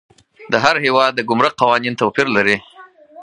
د هر هیواد د ګمرک قوانین توپیر لري.